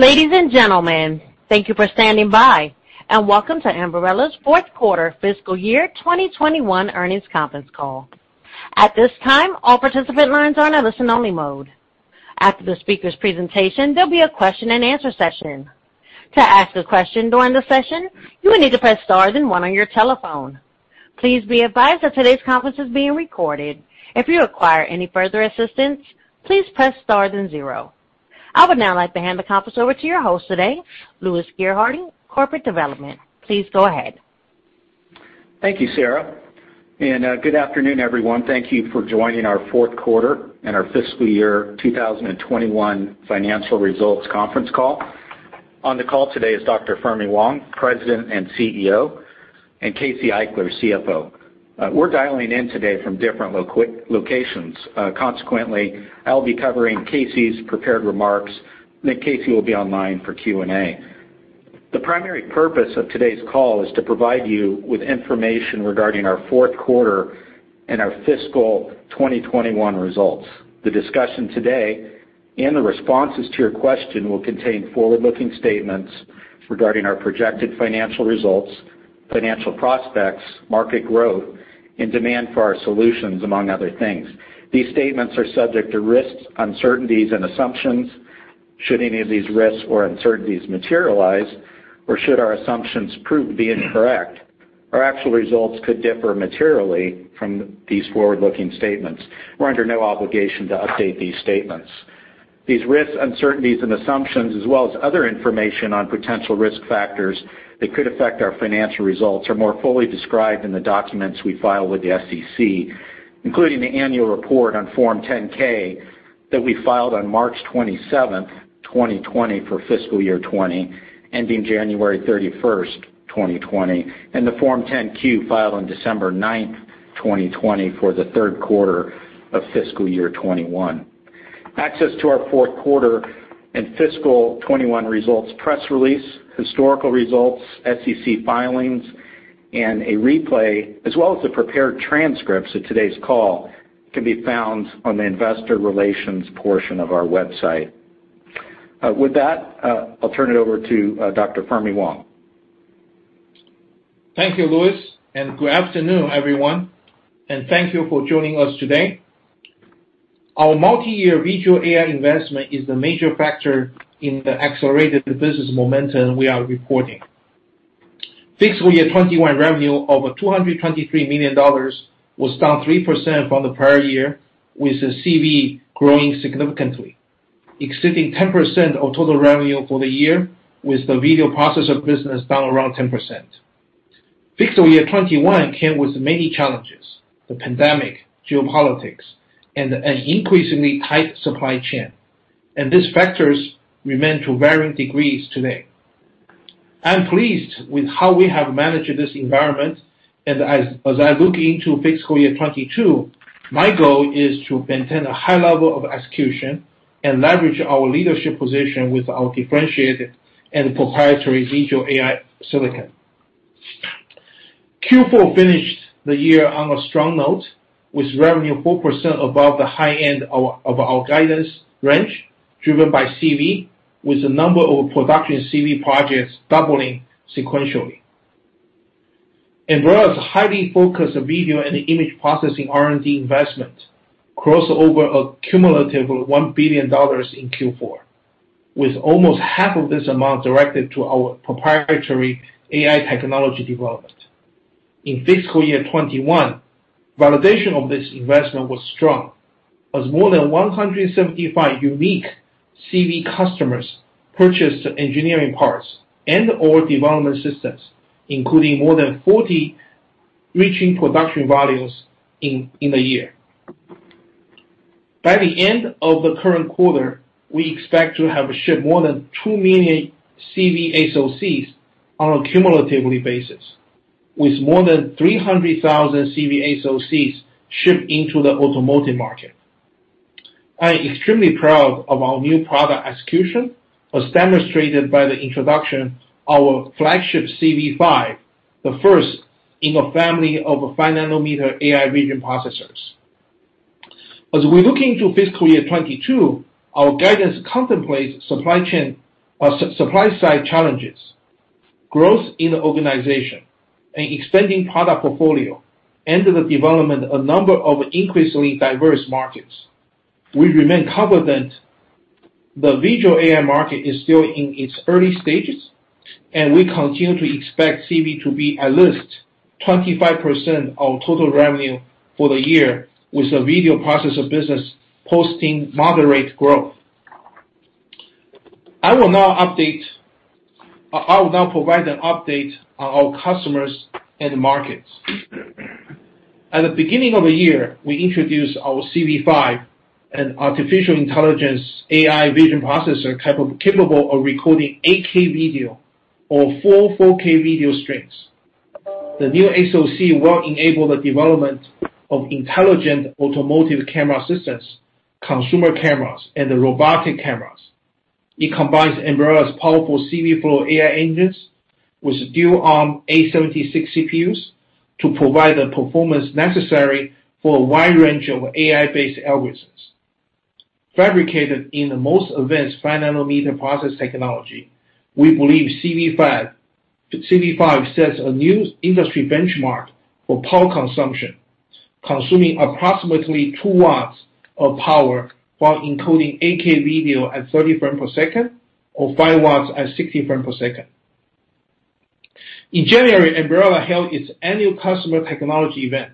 Ladies and gentlemen, thank you for standing by, and welcome to Ambarella's Fourth Quarter Fiscal Year 2021 Earnings Conference Call. At this time, all participants are in our listen-only mode. After the speaker's presentation, there'll be a question-and-answer session. To ask a question during the session, you will need to press stars and one on your telephone. Please be advised that today's conference is being recorded. If you require any further assistance, please press stars and zero. I would now like to hand the conference over to your host today, Louis Gerhardy, Corporate Development. Please go ahead. Thank you, Sarah. And good afternoon, everyone. Thank you for joining our fourth quarter and our fiscal year 2021 financial results conference call. On the call today is Dr. Fermi Wang, President and CEO, and Casey Eichler, CFO. We're dialing in today from different locations. Consequently, I'll be covering Casey's prepared remarks, and then Casey will be online for Q&A. The primary purpose of today's call is to provide you with information regarding our fourth quarter and our fiscal 2021 results. The discussion today and the responses to your question will contain forward-looking statements regarding our projected financial results, financial prospects, market growth, and demand for our solutions, among other things. These statements are subject to risks, uncertainties, and assumptions. Should any of these risks or uncertainties materialize, or should our assumptions prove to be incorrect, our actual results could differ materially from these forward-looking statements. We're under no obligation to update these statements. These risks, uncertainties, and assumptions, as well as other information on potential risk factors that could affect our financial results, are more fully described in the documents we filed with the SEC, including the annual report on Form 10-K that we filed on March 27, 2020, for fiscal year 2020, ending January 31, 2020, and the Form 10-Q filed on December 9, 2020, for the third quarter of fiscal year 2021. Access to our fourth quarter and fiscal 2021 results press release, historical results, SEC filings, and a replay, as well as the prepared transcripts of today's call, can be found on the investor relations portion of our website. With that, I'll turn it over to Dr. Fermi Wang. Thank you, Louis, and good afternoon, everyone. Thank you for joining us today. Our multi-year CV AI investment is the major factor in the accelerated business momentum we are reporting. Fiscal year 2021 revenue of $223 million was down 3% from the prior year, with the CV growing significantly, exceeding 10% of total revenue for the year, with the video processor business down around 10%. Fiscal year 2021 came with many challenges: the pandemic, geopolitics, and an increasingly tight supply chain. These factors remain to varying degrees today. I'm pleased with how we have managed this environment. As I look into fiscal year 2022, my goal is to maintain a high level of execution and leverage our leadership position with our differentiated and proprietary CV AI silicon.Q4 finished the year on a strong note, with revenue 4% above the high end of our guidance range, driven by CV, with the number of production CV projects doubling sequentially. Ambarella's highly focused video and image processing R&D investment crossed over a cumulative $1 billion in Q4, with almost half of this amount directed to our proprietary AI technology development. In fiscal year 2021, validation of this investment was strong, as more than 175 unique CV customers purchased engineering parts and/or development systems, including more than 40 reaching production volumes in the year. By the end of the current quarter, we expect to have shipped more than 2 million CV SoCs on a cumulative basis, with more than 300,000 CV SoCs shipped into the automotive market. I'm extremely proud of our new product execution, as demonstrated by the introduction of our flagship CV5, the first in a family of 5-nanometer AI vision processors. As we look into fiscal year 2022, our guidance contemplates supply chain supply-side challenges, growth in the organization, an expanding product portfolio, and the development of a number of increasingly diverse markets. We remain confident the CV AI market is still in its early stages, and we continue to expect CV to be at least 25% of total revenue for the year, with the video processor business posting moderate growth. I will now provide an update on our customers and markets. At the beginning of the year, we introduced our CV5, an artificial intelligence AI vision processor capable of recording 8K video or full 4K video streams. The new SoC will enable the development of intelligent automotive camera systems, consumer cameras, and robotic cameras. It combines Ambarella's powerful CVflow AI engines with dual-arm A76 CPUs to provide the performance necessary for a wide range of AI-based algorithms. Fabricated in the most advanced 5-nanometer process technology, we believe CV5 sets a new industry benchmark for power consumption, consuming approximately two watts of power while encoding 8K video at 30 frames per second or five watts at 60 frames per second. In January, Ambarella held its annual customer technology event,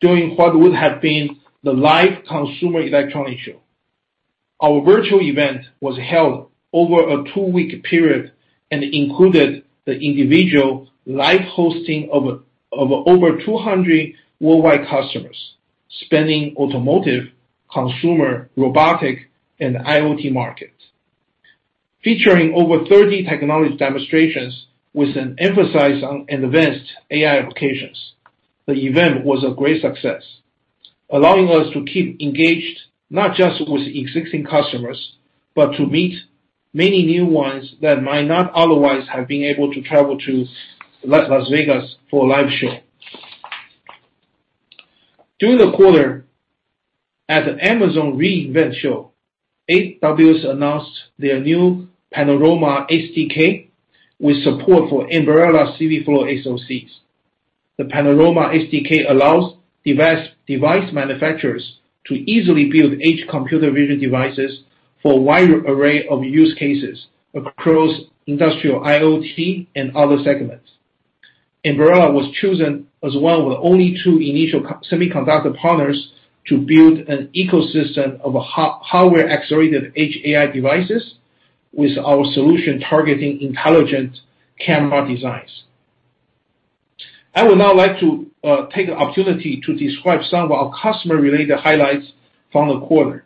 during what would have been the CES. Our virtual event was held over a two-week period and included the individual live hosting of over 200 worldwide customers spanning automotive, consumer, robotic, and IoT markets. Featuring over 30 technology demonstrations with an emphasis on advanced AI applications, the event was a great success, allowing us to keep engaged not just with existing customers, but to meet many new ones that might not otherwise have been able to travel to Las Vegas for a live show. During the quarter, at the Amazon re:Invent show, AWS announced their new Panorama SDK with support for Ambarella CVflow SoCs. The Panorama SDK allows device manufacturers to easily build edge computer vision devices for a wider array of use cases across industrial IoT and other segments. Ambarella was chosen as one of the only two initial semiconductor partners to build an ecosystem of hardware-accelerated edge AI devices, with our solution targeting intelligent camera designs. I would now like to take the opportunity to describe some of our customer-related highlights from the quarter,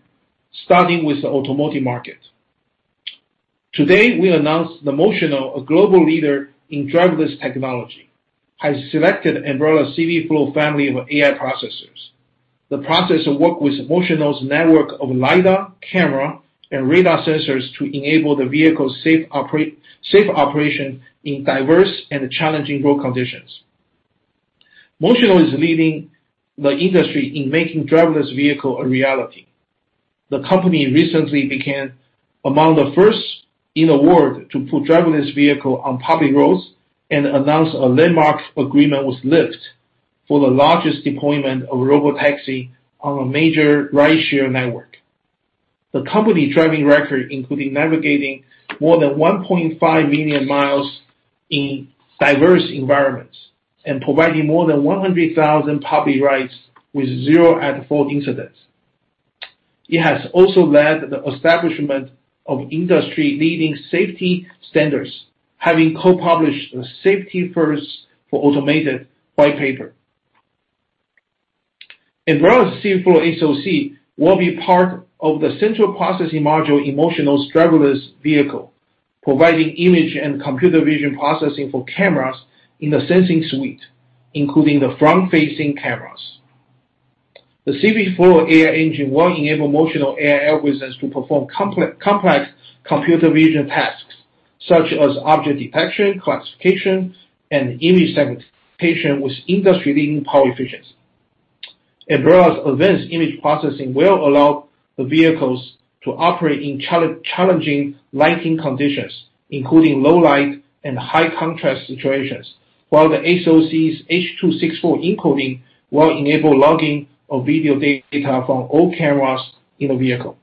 starting with the automotive market. Today, we announced that Motional, a global leader in driverless technology, has selected Ambarella's CVflow family of AI processors. The processor works with Motional's network of LiDAR, camera, and radar sensors to enable the vehicle's safe operation in diverse and challenging road conditions. Motional is leading the industry in making driverless vehicles a reality. The company recently became among the first in the world to put driverless vehicles on public roads and announced a landmark agreement with Lyft for the largest deployment of robotaxi on a major rideshare network. The company's driving record includes navigating more than 1.5 million miles in diverse environments and providing more than 100,000 public rides with zero at-fault incidents. It has also led the establishment of industry-leading safety standards, having co-published the Safety First for Automated Vehicles white paper. Ambarella's CVflow SoC will be part of the central processing module in Motional's driverless vehicle, providing image and computer vision processing for cameras in the sensing suite, including the front-facing cameras. The CVflow AI engine will enable Motional AI algorithms to perform complex computer vision tasks, such as object detection, classification, and image segmentation, with industry-leading power efficiency. Ambarella's advanced image processing will allow the vehicles to operate in challenging lighting conditions, including low light and high-contrast situations, while the SoC's H.264 encoding will enable logging of video data from all cameras in the vehicle.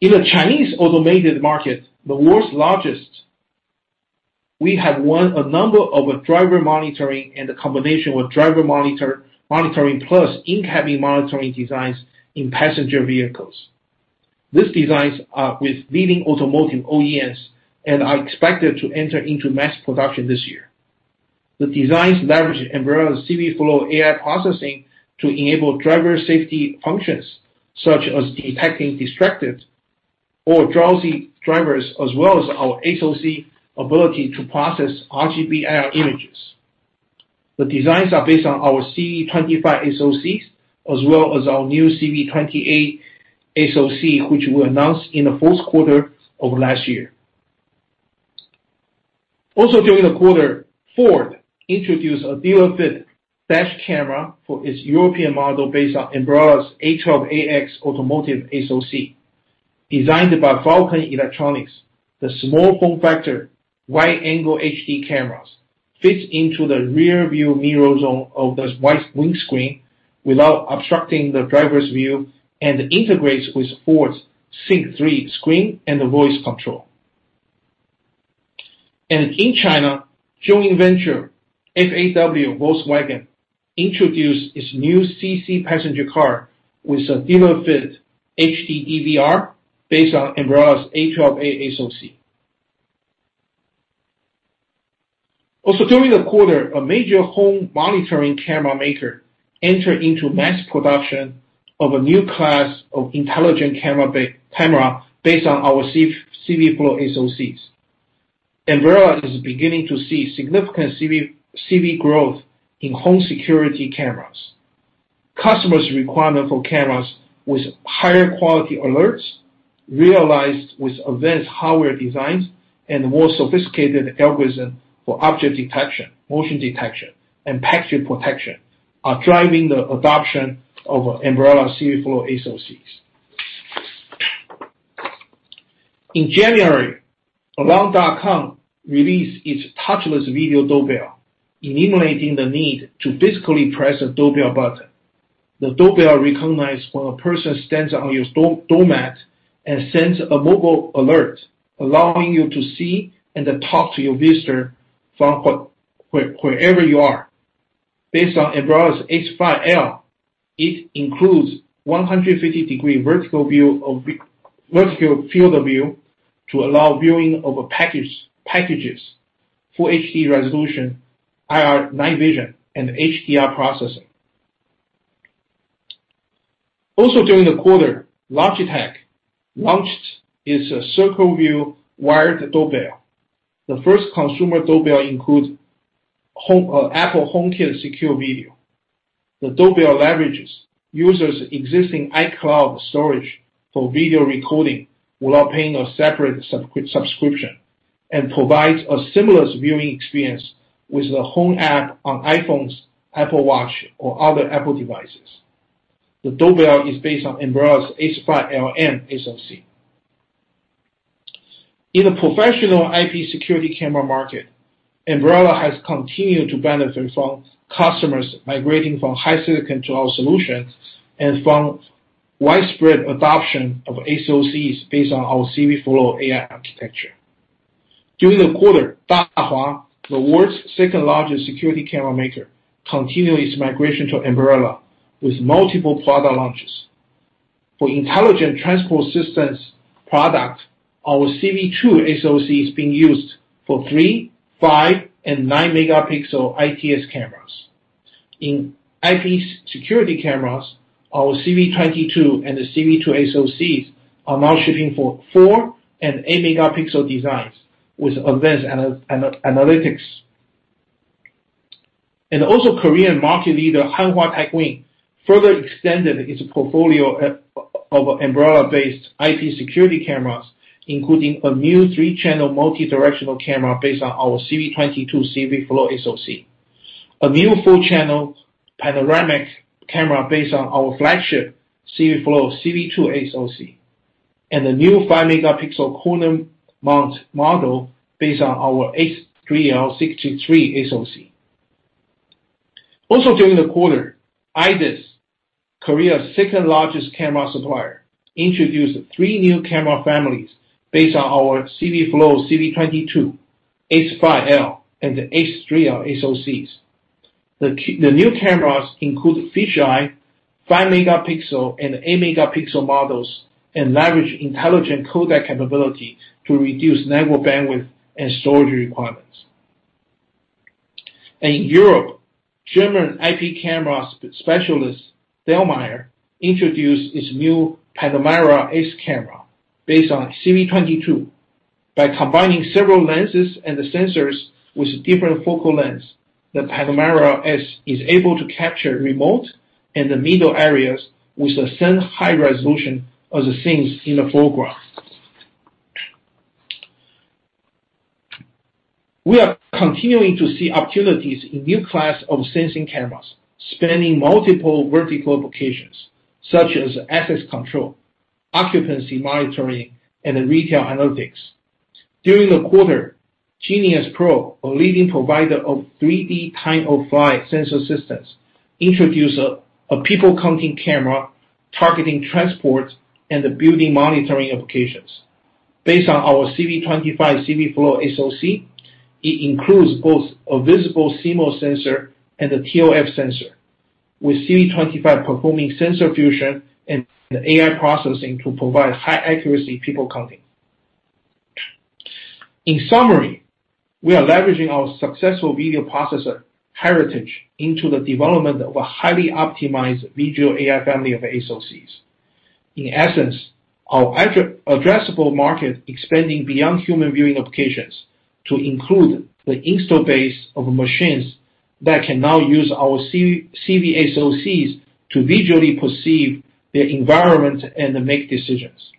In the Chinese automotive market, the world's largest, we have won a number of driver monitoring and a combination with driver monitoring plus in-cabin monitoring designs in passenger vehicles. These designs are with leading automotive OEMs and are expected to enter into mass production this year. The designs leverage Ambarella's CVflow AI processing to enable driver safety functions, such as detecting distracted or drowsy drivers, as well as our SoC ability to process RGB-IR images. The designs are based on our CV25 SoCs, as well as our new CV28 SoC, which we announced in the fourth quarter of last year. Also, during the quarter, Ford introduced a dual-fit dash camera for its European model based on Ambarella's A12A automotive SoC. Designed by Falcon Electronics, the small form factor wide-angle HD cameras fit into the rearview mirror zone of the wide windscreen without obstructing the driver's view and integrates with Ford's Sync 3 screen and voice control. And in China, Joint Venture FAW-Volkswagen introduced its new CC passenger car with a dual-fit HD DVR based on Ambarella's A12A SoC. Also, during the quarter, a major home monitoring camera maker entered into mass production of a new class of intelligent camera based on our CVflow SoCs. Ambarella is beginning to see significant CV growth in home security cameras. Customers' requirement for cameras with higher quality alerts, realized with advanced hardware designs and more sophisticated algorithms for object detection, motion detection, and package protection, are driving the adoption of Ambarella's CVflow SoCs. In January, Alarm.com released its touchless video doorbell, eliminating the need to physically press a doorbell button. The doorbell recognizes when a person stands on your door mat and sends a mobile alert, allowing you to see and talk to your visitor from wherever you are. Based on Ambarella's S5L, it includes a 150-degree vertical field of view to allow viewing of packages, full HD resolution, IR night vision, and HDR processing. Also, during the quarter, Logitech launched its Circle View wired doorbell. The first consumer doorbell includes Apple HomeKit Secure Video. The doorbell leverages users' existing iCloud storage for video recording without paying a separate subscription and provides a seamless viewing experience with the home app on iPhones, Apple Watch, or other Apple devices. The doorbell is based on Ambarella's S5LM SoC. In the professional IP security camera market, Ambarella has continued to benefit from customers migrating from HiSilicon to our solutions and from widespread adoption of SoCs based on our CVflow AI architecture. During the quarter, Dahua, the world's second-largest security camera maker, continued its migration to Ambarella with multiple product launches. For intelligent transport systems products, our CV2 SoC is being used for three, five, and nine-megapixel ITS cameras. In IP security cameras, our CV22 and the CV2 SoCs are now shipping for four- and eight-megapixel designs with advanced analytics. Korean market leader Hanwha Techwin further extended its portfolio of Ambarella-based IP security cameras, including a new three-channel multidirectional camera based on our CV22 CVflow SoC, a new four-channel panoramic camera based on our flagship CVflow CV2 SoC, and a new five-megapixel corner mount model based on our S3L63 SoC. During the quarter, IDIS, Korea's second-largest camera supplier, introduced three new camera families based on our CVflow CV22, S5L, and the S3L SoCs. The new cameras include fisheye, five-megapixel and eight-megapixel models, and leverage intelligent codec capability to reduce network bandwidth and storage requirements. In Europe, German IP camera specialist Dallmeier introduced its new Panomera S camera based on CV22. By combining several lenses and sensors with different focal lengths, the Panomera S is able to capture the remote and the middle areas with the same high resolution as the scenes in the foreground. We are continuing to see opportunities in new classes of sensing cameras spanning multiple vertical applications, such as access control, occupancy monitoring, and retail analytics. During the quarter, G-Next, a leading provider of 3D time-of-flight sensor systems, introduced a people-counting camera targeting transport and building monitoring applications. Based on our CV25 CVflow SoC, it includes both a visible CMOS sensor and a ToF sensor, with CV25 performing sensor fusion and AI processing to provide high-accuracy people-counting. In summary, we are leveraging our successful video processor heritage into the development of a highly optimized visual AI family of SoCs. In essence, our addressable market is expanding beyond human viewing applications to include the installed base of machines that can now use our CV SoCs to visually perceive their environment and make decisions,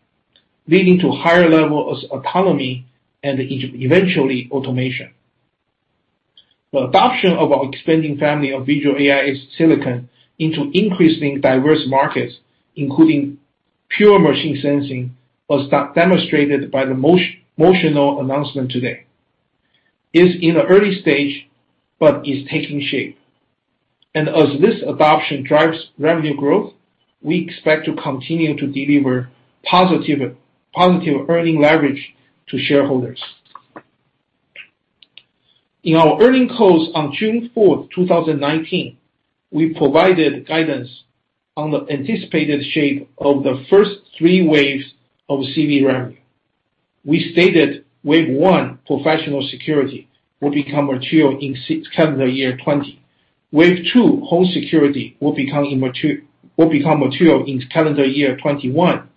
leading to higher levels of autonomy and eventually automation. The adoption of our expanding family of visual AI silicon into increasingly diverse markets, including pure machine sensing, was demonstrated by the Motional announcement today. It's in the early stage, but it's taking shape. And as this adoption drives revenue growth, we expect to continue to deliver positive earnings leverage to shareholders. In our earnings calls on June 4, 2019, we provided guidance on the anticipated shape of the first three waves of CV revenue. We stated Wave 1, professional security, will become mature in calendar year 2020. Wave 2, home security, will become mature in calendar year 2021.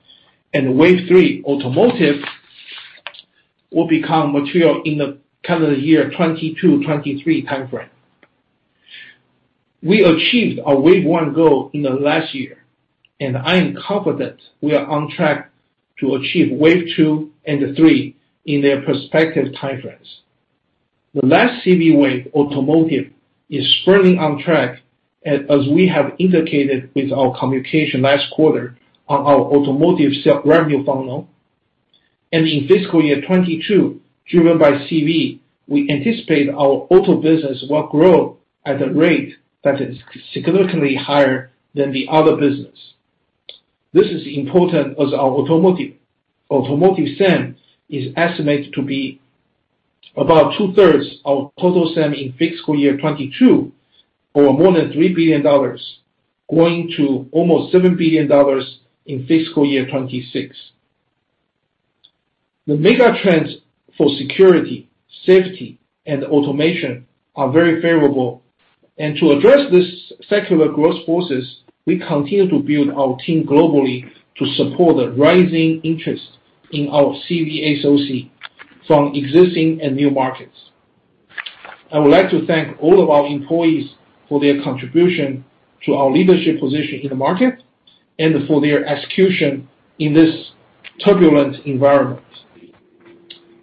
Wave 3, automotive, will become mature in the calendar year 2022-2023 timeframe. We achieved our Wave 1 goal in the last year, and I am confident we are on track to achieve Wave 2 and 3 in their prospective timeframes. The last CV wave, automotive, is firmly on track, as we have indicated with our communication last quarter on our automotive revenue funnel. In fiscal year 2022, driven by CV, we anticipate our auto business will grow at a rate that is significantly higher than the other business. This is important as our automotive SAM is estimated to be about two-thirds of total SAM in fiscal year 2022, or more than $3 billion, going to almost $7 billion in fiscal year 2026. The mega trends for security, safety, and automation are very favorable. To address these secular growth forces, we continue to build our team globally to support the rising interest in our CV SoC from existing and new markets. I would like to thank all of our employees for their contribution to our leadership position in the market and for their execution in this turbulent environment.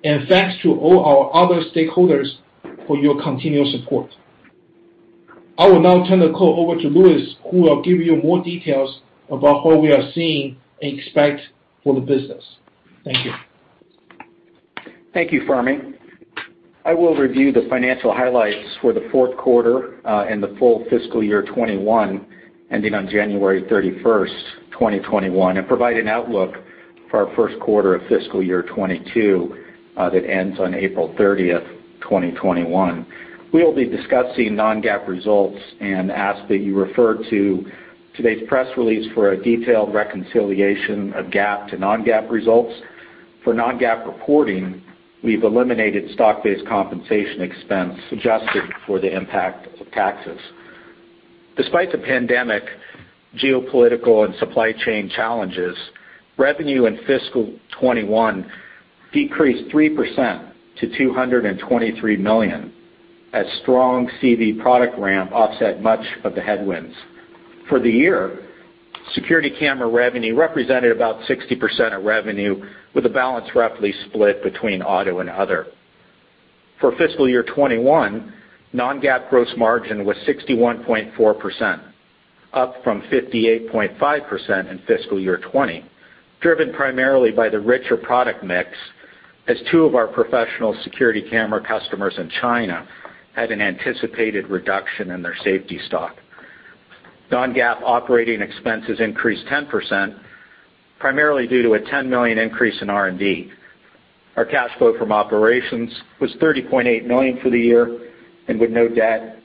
Thanks to all our other stakeholders for your continued support. I will now turn the call over to Louis, who will give you more details about how we are seeing and expect for the business. Thank you. Thank you, Fermi. I will review the financial highlights for the fourth quarter and the full fiscal year 2021, ending on January 31, 2021, and provide an outlook for our first quarter of fiscal year 2022 that ends on April 30, 2021. We will be discussing non-GAAP results and ask that you refer to today's press release for a detailed reconciliation of GAAP to non-GAAP results. For non-GAAP reporting, we've eliminated stock-based compensation expense adjusted for the impact of taxes. Despite the pandemic, geopolitical, and supply chain challenges, revenue in fiscal 2021 decreased 3% to $223 million, as strong CV product ramp offset much of the headwinds. For the year, security camera revenue represented about 60% of revenue, with the balance roughly split between auto and other. For fiscal year 2021, non-GAAP gross margin was 61.4%, up from 58.5% in fiscal year 2020, driven primarily by the richer product mix, as two of our professional security camera customers in China had an anticipated reduction in their safety stock. Non-GAAP operating expenses increased 10%, primarily due to a $10 million increase in R&D. Our cash flow from operations was $30.8 million for the year, and with no debt,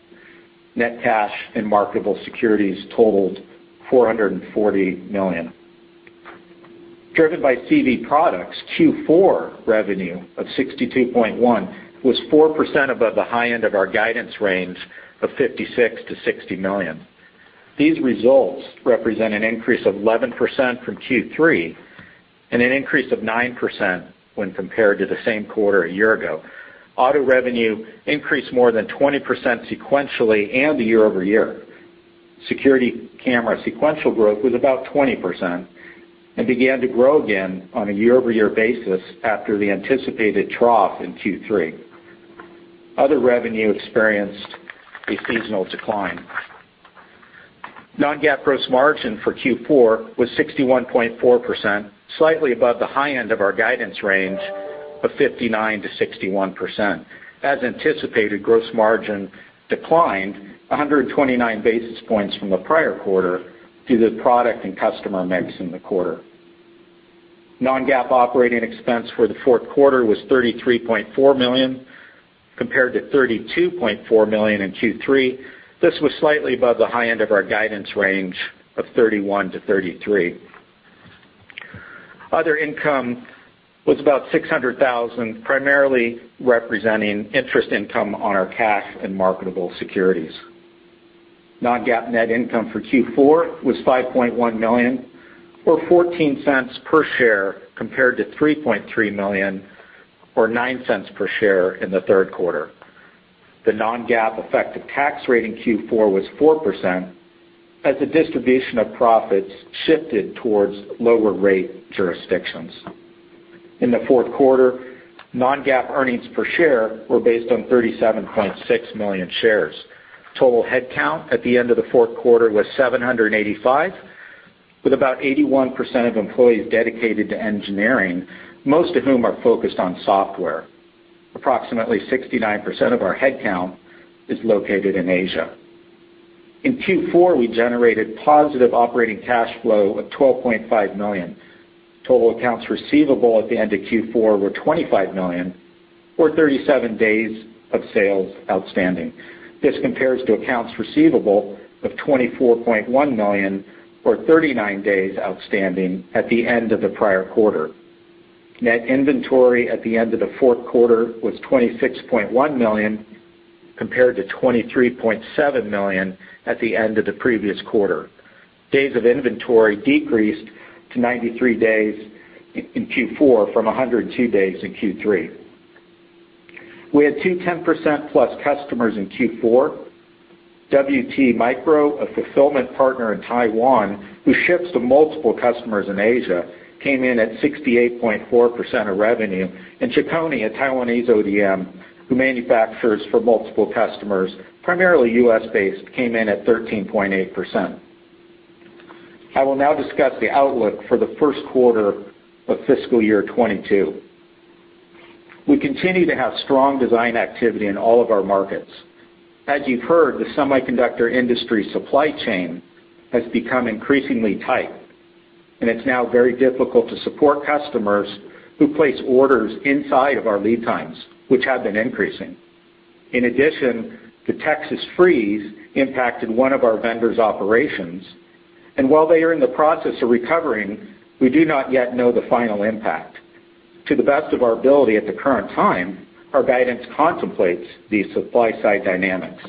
net cash, and marketable securities totaled $440 million. Driven by CV products, Q4 revenue of $62.1 million was 4% above the high end of our guidance range of $56-$60 million. These results represent an increase of 11% from Q3 and an increase of 9% when compared to the same quarter a year ago. Auto revenue increased more than 20% sequentially and year over year. Security camera sequential growth was about 20% and began to grow again on a year-over-year basis after the anticipated trough in Q3. Other revenue experienced a seasonal decline. Non-GAAP gross margin for Q4 was 61.4%, slightly above the high end of our guidance range of 59%-61%. As anticipated, gross margin declined 129 basis points from the prior quarter due to the product and customer mix in the quarter. Non-GAAP operating expense for the fourth quarter was $33.4 million compared to $32.4 million in Q3. This was slightly above the high end of our guidance range of $31-$33. Other income was about $600,000, primarily representing interest income on our cash and marketable securities. Non-GAAP net income for Q4 was $5.1 million, or $0.14 per share, compared to $3.3 million, or $0.09 per share in the third quarter. The non-GAAP effective tax rate in Q4 was 4%, as the distribution of profits shifted towards lower-rate jurisdictions. In the fourth quarter, non-GAAP earnings per share were based on 37.6 million shares. Total headcount at the end of the fourth quarter was 785, with about 81% of employees dedicated to engineering, most of whom are focused on software. Approximately 69% of our headcount is located in Asia. In Q4, we generated positive operating cash flow of $12.5 million. Total accounts receivable at the end of Q4 were $25 million, or 37 days of sales outstanding. This compares to accounts receivable of $24.1 million, or 39 days outstanding at the end of the prior quarter. Net inventory at the end of the fourth quarter was $26.1 million, compared to $23.7 million at the end of the previous quarter. Days of inventory decreased to 93 days in Q4 from 102 days in Q3. We had two 10%-plus customers in Q4. WT Micro, a fulfillment partner in Taiwan, who ships to multiple customers in Asia, came in at 68.4% of revenue. And Chicony, a Taiwanese ODM, who manufactures for multiple customers, primarily U.S.-based, came in at 13.8%. I will now discuss the outlook for the first quarter of fiscal year 2022. We continue to have strong design activity in all of our markets. As you've heard, the semiconductor industry supply chain has become increasingly tight, and it's now very difficult to support customers who place orders inside of our lead times, which have been increasing. In addition, the Texas freeze impacted one of our vendors' operations. And while they are in the process of recovering, we do not yet know the final impact. To the best of our ability at the current time, our guidance contemplates these supply-side dynamics.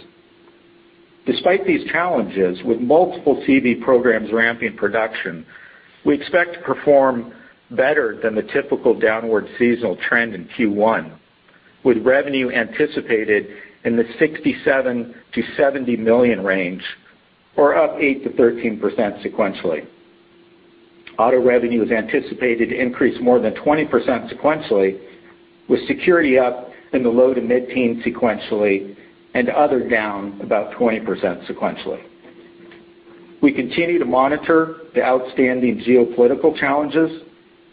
Despite these challenges, with multiple CV programs ramping production, we expect to perform better than the typical downward seasonal trend in Q1, with revenue anticipated in the $67 million-$70 million range, or up 8%-13% sequentially. Auto revenue is anticipated to increase more than 20% sequentially, with security up in the low to mid-teens sequentially and other down about 20% sequentially. We continue to monitor the outstanding geopolitical challenges,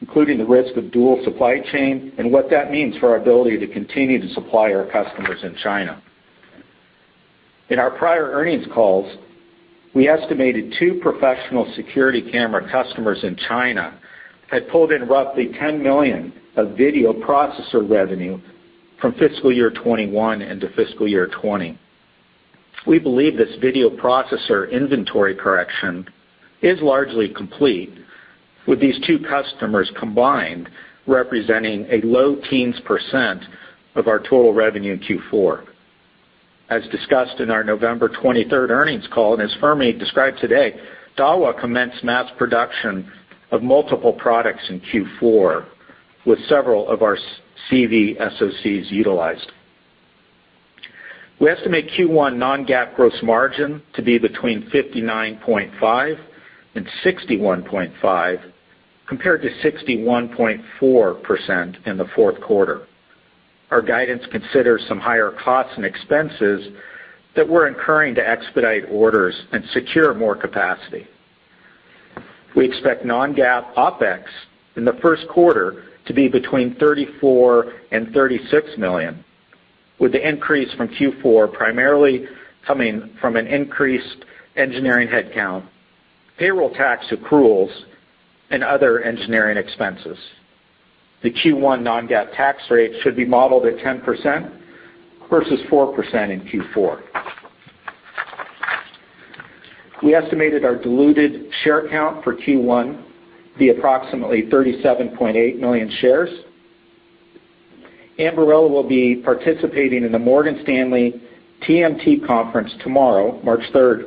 including the risk of dual supply chain and what that means for our ability to continue to supply our customers in China. In our prior earnings calls, we estimated two professional security camera customers in China had pulled in roughly $10 million of video processor revenue from fiscal year 2021 into fiscal year 2020. We believe this video processor inventory correction is largely complete, with these two customers combined representing a low teens % of our total revenue in Q4. As discussed in our November 23 earnings call, and as Fermi described today, Dahua commenced mass production of multiple products in Q4, with several of our CV SoCs utilized. We estimate Q1 non-GAAP gross margin to be between 59.5% and 61.5%, compared to 61.4% in the fourth quarter. Our guidance considers some higher costs and expenses that we're incurring to expedite orders and secure more capacity. We expect non-GAAP OpEx in the first quarter to be between $34 and $36 million, with the increase from Q4 primarily coming from an increased engineering headcount, payroll tax accruals, and other engineering expenses. The Q1 non-GAAP tax rate should be modeled at 10% versus 4% in Q4. We estimated our diluted share count for Q1 to be approximately 37.8 million shares. Ambarella will be participating in the Morgan Stanley TMT conference tomorrow, March 3,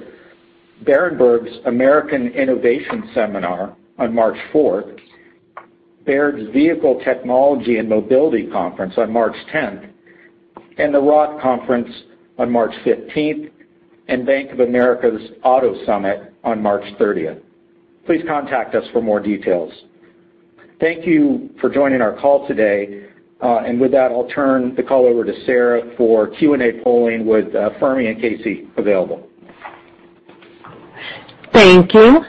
Berenberg's American Innovation Seminar on March 4, Baird's Vehicle Technology and Mobility Conference on March 10, and the Roth Conference on March 15, and Bank of America's Auto Summit on March 30. Please contact us for more details. Thank you for joining our call today. And with that, I'll turn the call over to Sarah for Q&A polling with Fermi and Casey available. Thank you.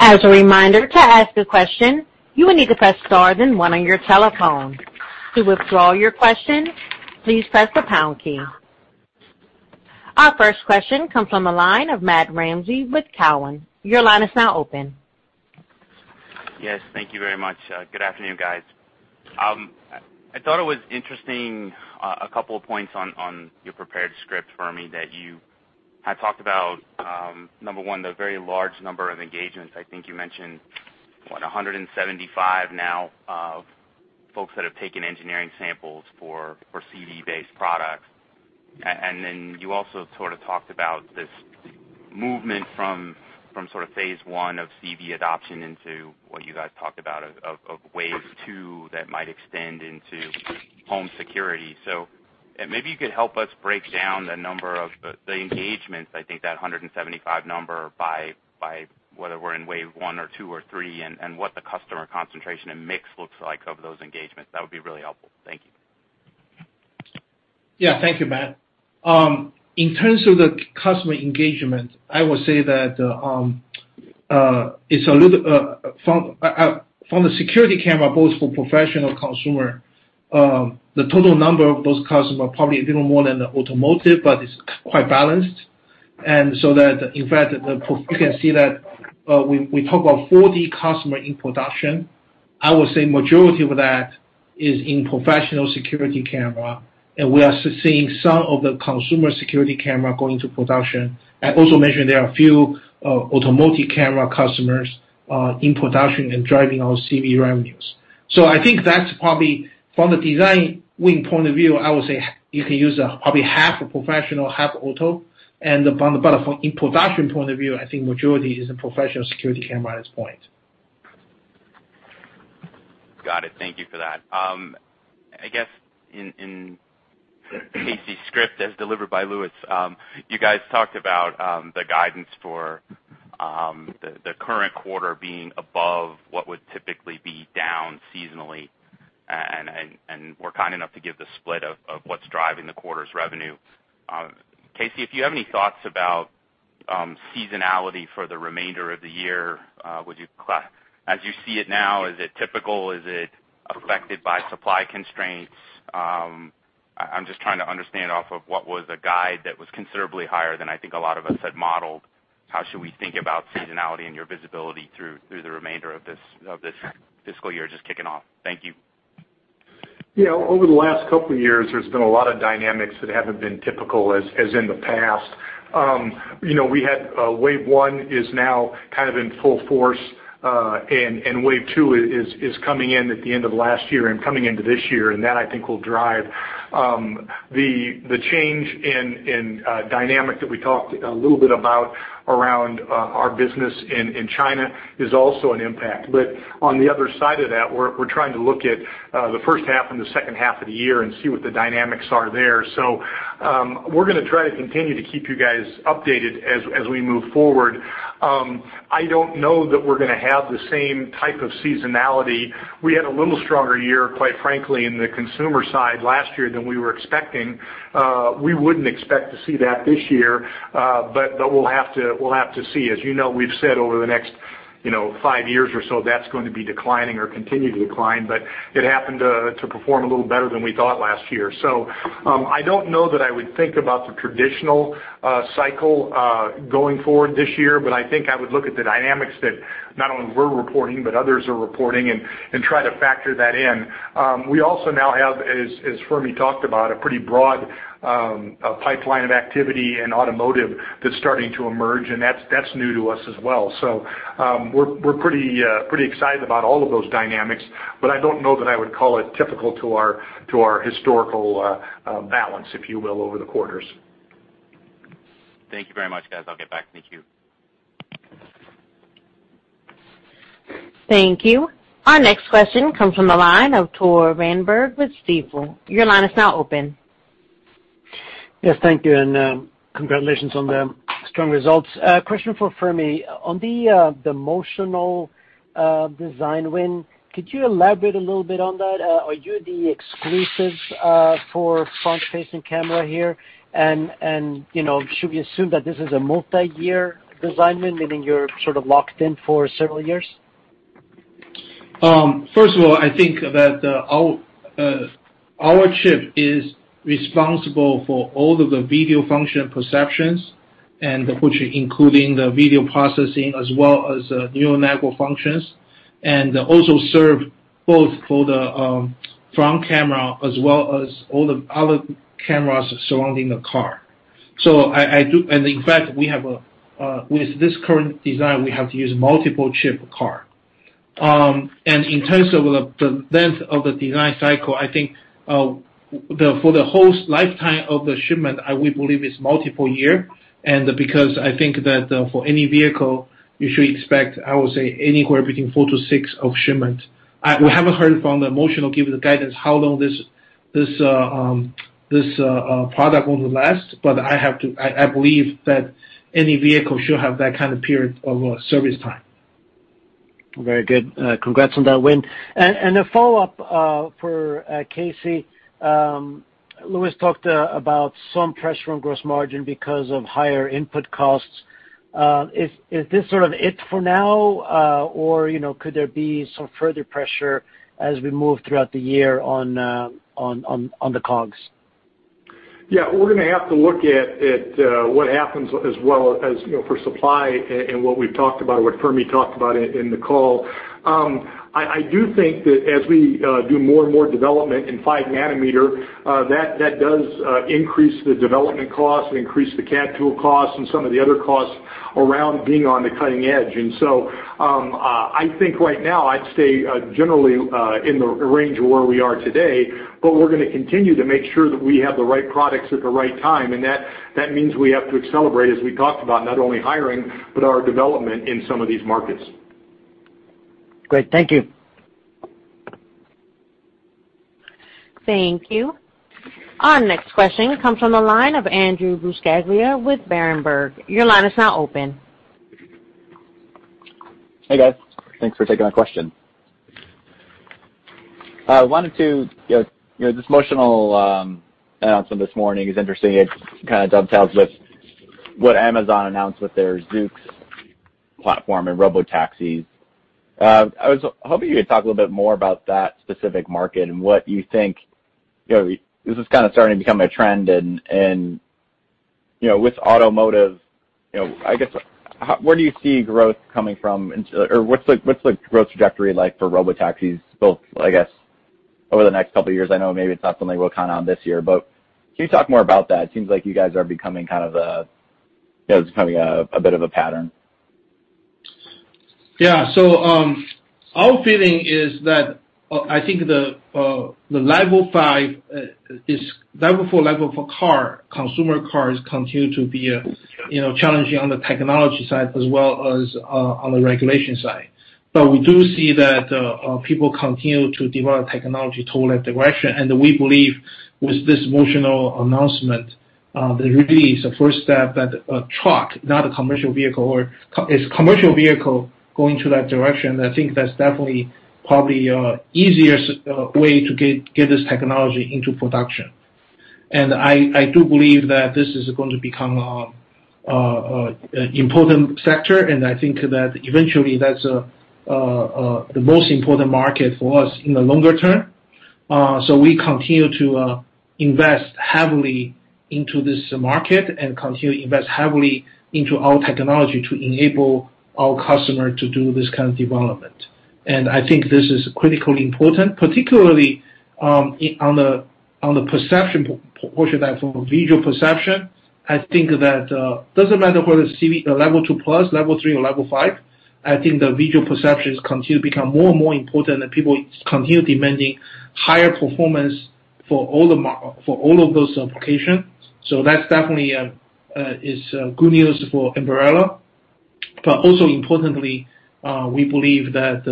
As a reminder to ask a question, you will need to press star then one on your telephone. To withdraw your question, please press the pound key. Our first question comes from a line of Matt Ramsey with Cowen. Your line is now open. Yes, thank you very much. Good afternoon, guys. I thought it was interesting a couple of points on your prepared script, Fermi, that you had talked about, number one, the very large number of engagements. I think you mentioned, what, 175 now of folks that have taken engineering samples for CV-based products. And then you also sort of talked about this movement from sort of phase one of CV adoption into what you guys talked about of Wave 2 that might extend into home security. So maybe you could help us break down the number of the engagements, I think that 175 number, by whether we're in Wave 1 or 2 or 3 and what the customer concentration and mix looks like of those engagements. That would be really helpful. Thank you. Yeah, thank you, Matt. In terms of the customer engagement, I will say that it's a little from the security camera, both for professional consumer. The total number of those customers probably a little more than the automotive, but it's quite balanced. And so that, in fact, you can see that we talk about 40 customers in production. I will say majority of that is in professional security camera, and we are seeing some of the consumer security camera going to production. I also mentioned there are a few automotive camera customers in production and driving our CV revenues. So I think that's probably from the design point of view. I will say you can use probably half professional, half auto. And from the production point of view, I think majority is in professional security camera at this point. Got it. Thank you for that. I guess in Casey's script, as delivered by Louis, you guys talked about the guidance for the current quarter being above what would typically be down seasonally, and we're kind enough to give the split of what's driving the quarter's revenue. Casey, if you have any thoughts about seasonality for the remainder of the year, as you see it now, is it typical? Is it affected by supply constraints? I'm just trying to understand off of what was a guide that was considerably higher than I think a lot of us had modeled. How should we think about seasonality and your visibility through the remainder of this fiscal year? Just kicking off. Thank you. Yeah, over the last couple of years, there's been a lot of dynamics that haven't been typical as in the past. We had wave one is now kind of in full force, and wave 2 is coming in at the end of last year and coming into this year. And that, I think, will drive the change in dynamic that we talked a little bit about around our business in China, is also an impact. But on the other side of that, we're trying to look at the first half and the second half of the year and see what the dynamics are there. So we're going to try to continue to keep you guys updated as we move forward. I don't know that we're going to have the same type of seasonality. We had a little stronger year, quite frankly, in the consumer side last year than we were expecting. We wouldn't expect to see that this year, but we'll have to see. As you know, we've said over the next five years or so, that's going to be declining or continue to decline. But it happened to perform a little better than we thought last year. So I don't know that I would think about the traditional cycle going forward this year, but I think I would look at the dynamics that not only we're reporting, but others are reporting and try to factor that in. We also now have, as Fermi talked about, a pretty broad pipeline of activity in automotive that's starting to emerge, and that's new to us as well. So we're pretty excited about all of those dynamics, but I don't know that I would call it typical to our historical balance, if you will, over the quarters. Thank you very much, guys. I'll get back to you. Thank you. Our next question comes from the line of Tore Svanberg with Stifel. Your line is now open. Yes, thank you. And congratulations on the strong results. Question for Fermi. On the Motional design win, could you elaborate a little bit on that? Are you the exclusive for front-facing camera here? And should we assume that this is a multi-year design win, meaning you're sort of locked in for several years? First of all, I think that our chip is responsible for all of the video function perceptions, including the video processing as well as neural functions, and also serve both for the front camera as well as all the other cameras surrounding the car. In fact, with this current design, we have to use multiple chips per car. In terms of the length of the design cycle, I think for the whole lifetime of the shipment, we believe it's multiple years. Because I think that for any vehicle, you should expect, I would say, anywhere between four to six years of shipment. We haven't heard from Motional given the guidance how long this product will last, but I believe that any vehicle should have that kind of period of service time. Very good. Congrats on that win. A follow-up for Casey. Louis talked about some pressure on gross margin because of higher input costs. Is this sort of it for now, or could there be some further pressure as we move throughout the year on the COGS? Yeah, we're going to have to look at what happens as well as for supply and what we've talked about or what Fermi talked about in the call. I do think that as we do more and more development in five nanometers, that does increase the development costs and increase the CAD tool costs and some of the other costs around being on the cutting edge. And that means we have to accelerate, as we talked about, not only hiring, but our development in some of these markets. Great. Thank you. Thank you. Our next question comes from the line of Andrew Buscaglia with Berenberg. Your line is now open. Hey, guys. Thanks for taking my question. I wanted to. This Motional announcement this morning is interesting. It kind of dovetails with what Amazon announced with their Zoox platform and robotaxis. I was hoping you could talk a little bit more about that specific market and what you think. This is kind of starting to become a trend, and with automotive, I guess, where do you see growth coming from, or what's the growth trajectory like for robotaxis, both, I guess, over the next couple of years? I know maybe it's not something we'll count on this year, but can you talk more about that? It seems like you guys are becoming kind of a. There's becoming a bit of a pattern. Yeah. So our feeling is that I think the Level 4, Level 4 car, consumer cars continue to be challenging on the technology side as well as on the regulation side. But we do see that people continue to develop technology toward that direction. And we believe with this Motional announcement, there really is a first step that a truck, not a commercial vehicle, or it's a commercial vehicle going to that direction. I think that's definitely probably an easier way to get this technology into production. And I do believe that this is going to become an important sector. And I think that eventually that's the most important market for us in the longer term. So we continue to invest heavily into this market and continue to invest heavily into our technology to enable our customers to do this kind of development.I think this is critically important, particularly on the perception portion that for visual perception. I think that it doesn't matter whether it's a Level 2+, Level 3, or Level 5. I think the visual perceptions continue to become more and more important and people continue demanding higher performance for all of those applications. So that's definitely good news for Ambarella. But also importantly, we believe that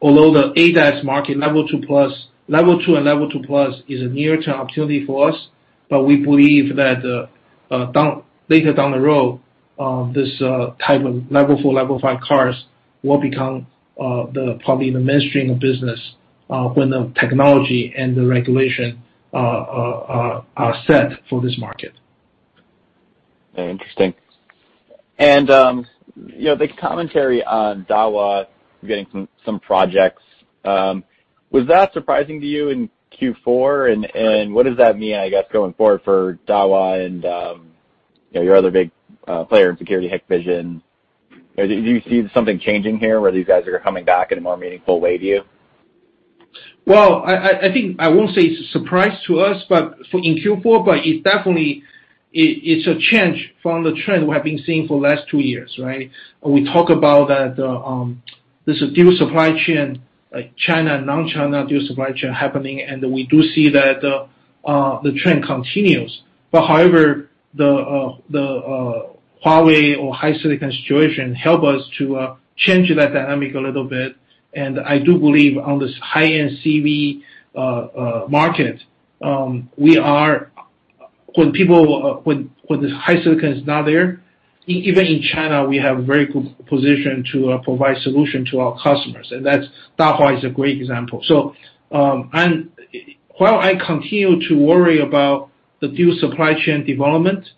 although the ADAS market, Level 2 and Level 2+ is a near-term opportunity for us, but we believe that later down the road, this type of Level 4, Level 5 cars will become probably the mainstream of business when the technology and the regulation are set for this market. Very interesting. And the commentary on Dahua, getting some projects, was that surprising to you in Q4? And what does that mean, I guess, going forward for Dahua and your other big player in security Hikvision? Do you see something changing here where these guys are coming back in a more meaningful way, you? I think I won't say it's a surprise to us in Q4, but it's definitely a change from the trend we have been seeing for the last two years, right? We talk about that there's a dual supply chain, China and non-China dual supply chain happening, and we do see that the trend continues. But however, the Huawei or HiSilicon situation helped us to change that dynamic a little bit. And I do believe on this high-end CV market, we are, when the HiSilicon is not there, even in China, we have a very good position to provide solutions to our customers. And Dahua is a great example. While I continue to worry about the dual supply chain development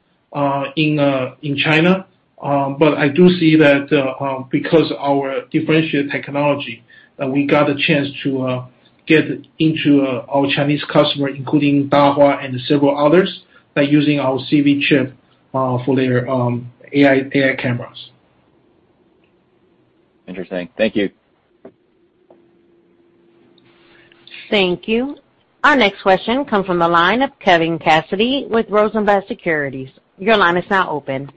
in China, but I do see that because of our differentiated technology, we got a chance to get into our Chinese customers, including Dahua and several others, by using our CV chip for their AI cameras. Interesting. Thank you. Thank you. Our next question comes from the line of Kevin Cassidy with Rosenblatt Securities. Your line is now open.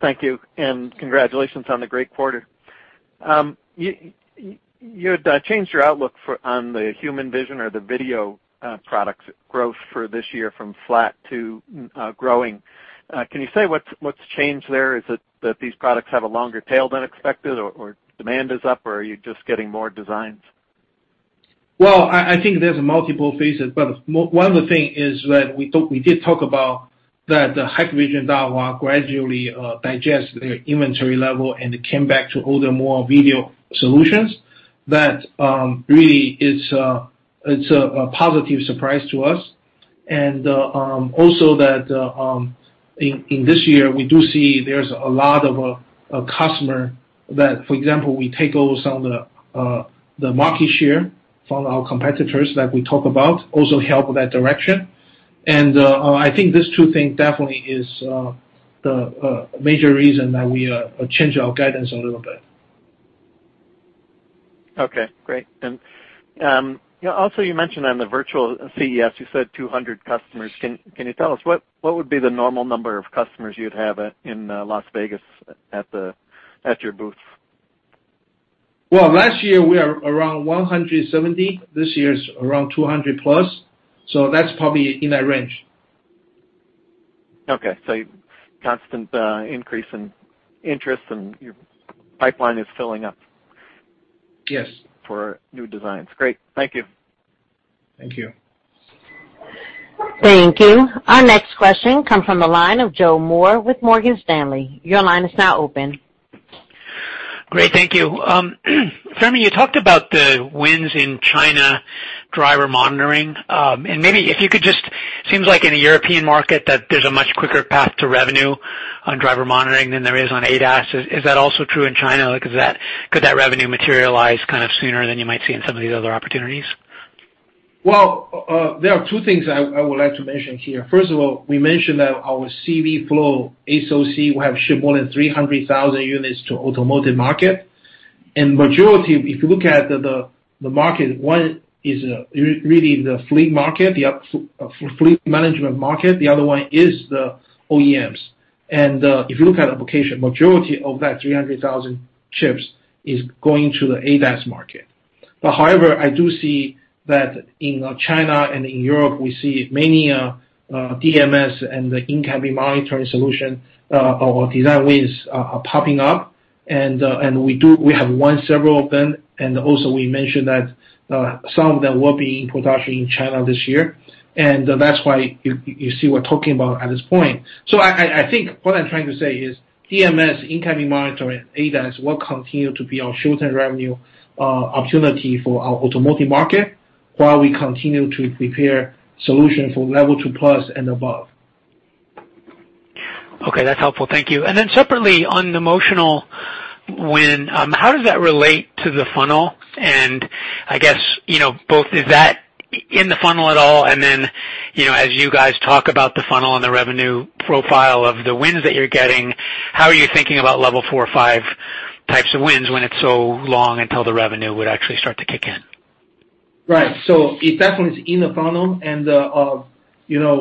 Thank you, and congratulations on the great quarter. You had changed your outlook on the human vision or the video products growth for this year from flat to growing. Can you say what's changed there? Is it that these products have a longer tail than expected, or demand is up, or are you just getting more designs? I think there's multiple phases. One of the things is that we did talk about that the Hikvision, Dahua gradually digested their inventory level and came back to order more video solutions. That really is a positive surprise to us. Also that in this year, we do see there's a lot of customers that, for example, we take over some of the market share from our competitors that we talk about, also help in that direction. I think these two things definitely are the major reason that we changed our guidance a little bit. Okay. Great. And also you mentioned on the virtual CES, you said 200 customers. Can you tell us what would be the normal number of customers you'd have in Las Vegas at your booth? Last year we were around 170. This year is around 200 plus, so that's probably in that range. Okay. Constant increase in interest, and your pipeline is filling up. Yes.For new designs. Great. Thank you. Thank you. Thank you. Our next question comes from the line of Joe Moore with Morgan Stanley. Your line is now open. Great. Thank you. Fermi, you talked about the wins in China driver monitoring. And maybe if you could just. Seems like in the European market that there's a much quicker path to revenue on driver monitoring than there is on ADAS. Is that also true in China? Could that revenue materialize kind of sooner than you might see in some of these other opportunities? There are two things I would like to mention here. First of all, we mentioned that our CVflow SoC will have shipped more than 300,000 units to the automotive market. And majority, if you look at the market, one is really the fleet market, the fleet management market. The other one is the OEMs. And if you look at the application, the majority of that 300,000 chips is going to the ADAS market. But however, I do see that in China and in Europe, we see many DMS and in-cabin monitoring solutions or design wins popping up. And we have won several of them. And also we mentioned that some of them will be in production in China this year. And that's why you see what we're talking about at this point. So I think what I'm trying to say is DMS, in-cabin monitoring, ADAS will continue to be our short-term revenue opportunity for our automotive market while we continue to prepare solutions for level 2+ and above. Okay. That's helpful. Thank you. And then separately on the Motional win, how does that relate to the funnel? And I guess, is that in the funnel at all? And then as you guys talk about the funnel and the revenue profile of the wins that you're getting, how are you thinking about Level 4 or 5 types of wins when it's so long until the revenue would actually start to kick in? Right. So it definitely is in the funnel. And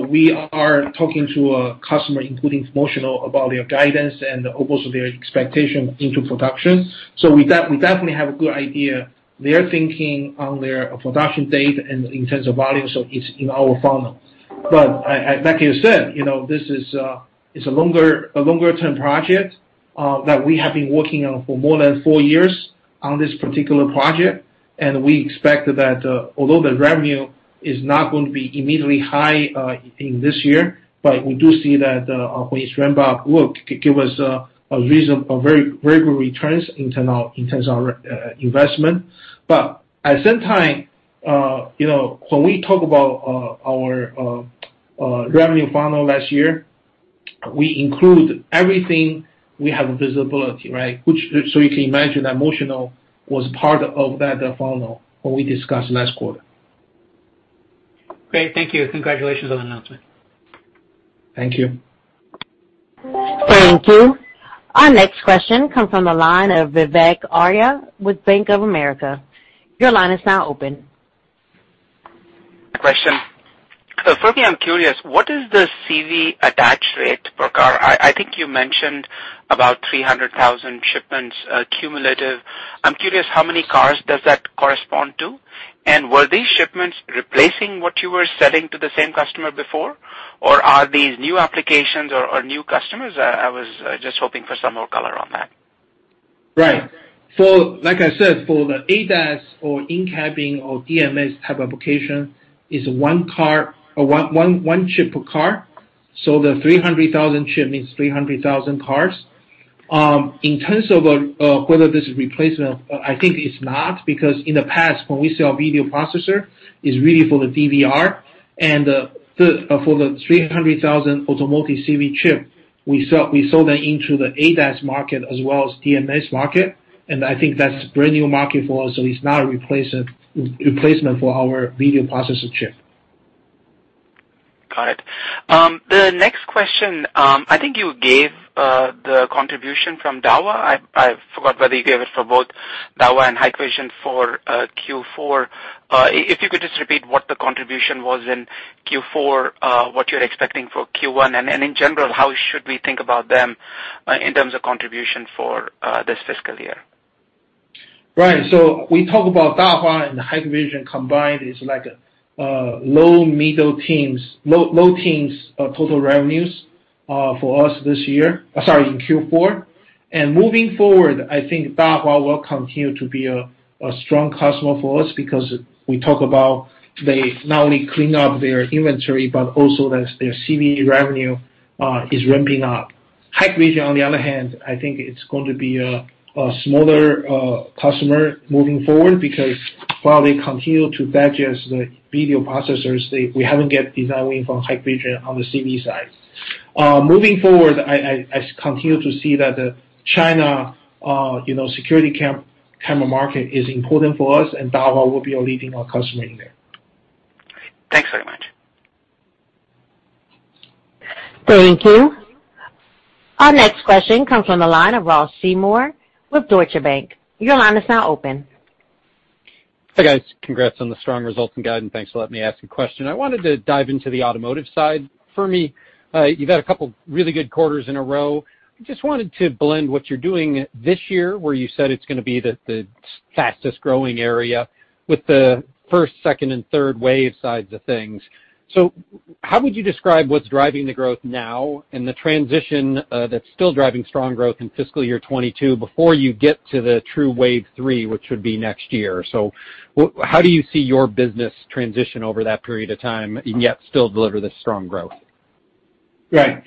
we are talking to a customer, including Motional, about their guidance and also their expectation into production. So we definitely have a good idea. They're thinking on their production date and in terms of volume, so it's in our funnel. But like you said, this is a longer-term project that we have been working on for more than four years on this particular project. And we expect that although the revenue is not going to be immediately high in this year, but we do see that when it's ramped up, it will give us a very good return in terms of investment. But at the same time, when we talk about our revenue funnel last year, we include everything we have visibility, right? So you can imagine that Motional was part of that funnel when we discussed last quarter. Great. Thank you. Congratulations on the announcement. Thank you. Thank you. Our next question comes from the line of Vivek Arya with Bank of America. Your line is now open. So firstly, I'm curious, what is the CV attach rate per car? I think you mentioned about 300,000 shipments cumulative. I'm curious how many cars does that correspond to? And were these shipments replacing what you were selling to the same customer before, or are these new applications or new customers? I was just hoping for some more color on that. Right. So like I said, for the ADAS or in-cabin or DMS type application, it's one chip per car. So the 300,000 chip means 300,000 cars. In terms of whether this is replacement, I think it's not because in the past, when we sell video processor, it's really for the DVR, and for the 300,000 automotive CV chip, we sold that into the ADAS market as well as DMS market, and I think that's a brand new market for us. So it's not a replacement for our video processor chip. Got it. The next question, I think you gave the contribution from Dahua. I forgot whether you gave it for both Dahua and Hikvision for Q4. If you could just repeat what the contribution was in Q4, what you're expecting for Q1, and in general, how should we think about them in terms of contribution for this fiscal year? Right, so we talk about Dahua and Hikvision combined. It's like low- to mid-teens, low-teens total revenues for us this year, sorry, in Q4, and moving forward, I think Dahua will continue to be a strong customer for us because we talk about they not only clean up their inventory, but also their CV revenue is ramping up. Hikvision, on the other hand, I think it's going to be a smaller customer moving forward because while they continue to digest the video processors, we haven't got design win from Hikvision on the CV side. Moving forward, I continue to see that the China security camera market is important for us, and Dahua will be our leading customer in there. Thanks very much. Thank you. Our next question comes from the line of Ross Seymore with Deutsche Bank. Your line is now open. Hi guys. Congrats on the strong results in guidance. Thanks for letting me ask a question. I wanted to dive into the automotive side. Fermi, you've had a couple of really good quarters in a row. I just wanted to blend what you're doing this year, where you said it's going to be the fastest growing area with the first, second, and third wave sides of things. So how would you describe what's driving the growth now and the transition that's still driving strong growth in fiscal year 2022 before you get to the true wave three, which would be next year? So how do you see your business transition over that period of time and yet still deliver this strong growth? Right.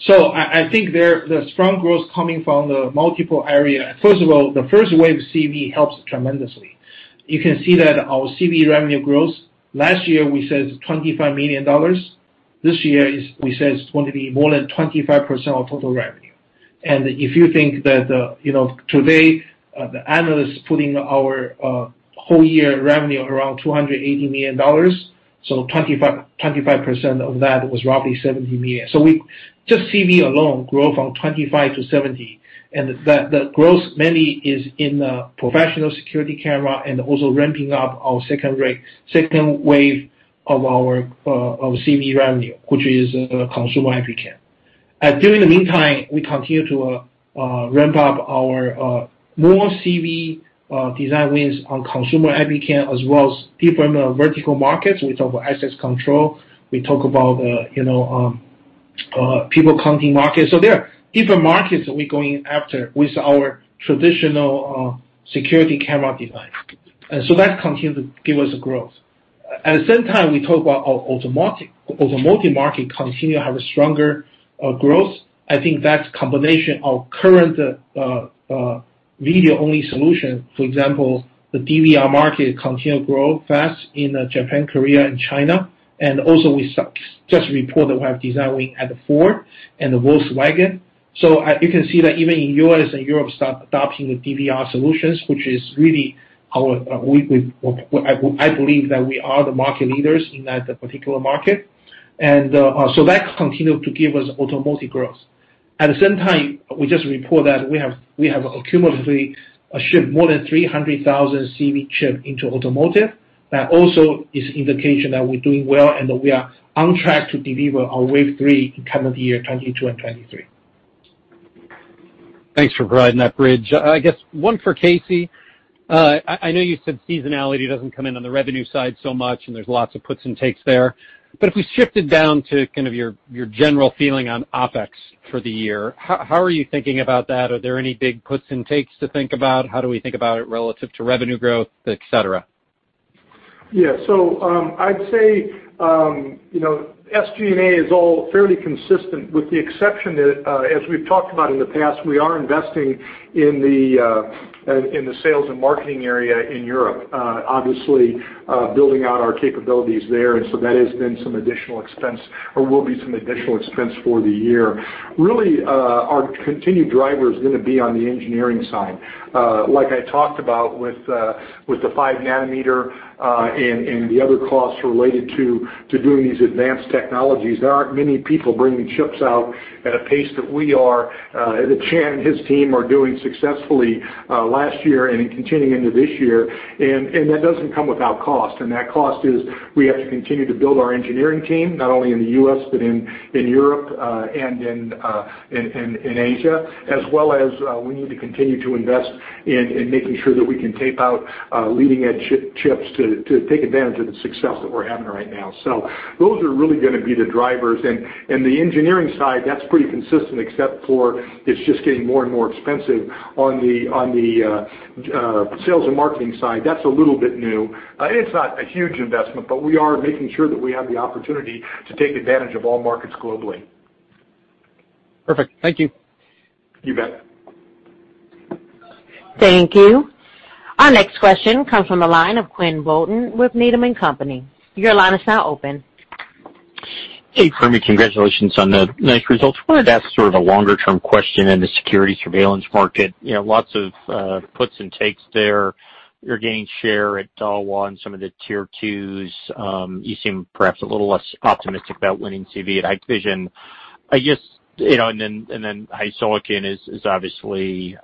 So I think the strong growth coming from the multiple areas, first of all, the first wave CV helps tremendously. You can see that our CV revenue grows. Last year, we said $25 million. This year, we said it's going to be more than 25% of total revenue. And if you think that today, the analysts putting our whole year revenue around $280 million, so 25% of that was roughly $70 million. So just CV alone grew from 25 to 70. And the growth mainly is in the professional security camera and also ramping up our second wave of our CV revenue, which is consumer IP cam. In the meantime, we continue to ramp up our more CV design wins on consumer IP cam as well as different vertical markets. We talk about access control. We talk about people counting markets. There are different markets that we're going after with our traditional security camera design. That continues to give us growth. At the same time, we talk about our automotive market continues to have a stronger growth. I think that combination of current video-only solutions, for example, the DVR market continues to grow fast in Japan, Korea, and China. Also we just reported we have design win at Ford and Volkswagen. You can see that even in the U.S. and Europe start adopting the DVR solutions, which is really our. I believe that we are the market leaders in that particular market. That continues to give us automotive growth. At the same time, we just report that we have accumulated a ship, more than 300,000 CV chip into automotive. That also is an indication that we're doing well and that we are on track to deliver our wave three in coming year, 2022 and 2023. Thanks for providing that bridge. I guess one for Casey. I know you said seasonality doesn't come in on the revenue side so much, and there's lots of puts and takes there. But if we shifted down to kind of your general feeling on OpEx for the year, how are you thinking about that? Are there any big puts and takes to think about? How do we think about it relative to revenue growth, etc.? Yeah. So I'd say SG&A is all fairly consistent with the exception that, as we've talked about in the past, we are investing in the sales and marketing area in Europe, obviously building out our capabilities there. And so that has been some additional expense or will be some additional expense for the year. Really, our continued driver is going to be on the engineering side. Like I talked about with the 5 nanometer and the other costs related to doing these advanced technologies, there aren't many people bringing chips out at a pace that we are, that Chan and his team are doing successfully last year and continuing into this year. And that doesn't come without cost. And that cost is we have to continue to build our engineering team, not only in the U.S., but in Europe and in Asia, as well as we need to continue to invest in making sure that we can tape out leading-edge chips to take advantage of the success that we're having right now. So those are really going to be the drivers. And the engineering side, that's pretty consistent except for it's just getting more and more expensive. On the sales and marketing side, that's a little bit new. It's not a huge investment, but we are making sure that we have the opportunity to take advantage of all markets globally. Perfect. Thank you. You bet. Thank you. Our next question comes from the line of Quinn Bolton with Needham & Company. Your line is now open. Hey, Fermi. Congratulations on the nice results. I wanted to ask sort of a longer-term question in the security surveillance market. Lots of puts and takes there. You're gaining share at Dahua and some of the Tier 2s. You seem perhaps a little less optimistic about winning CV at Hikvision. I guess, and then HiSilicon is obviously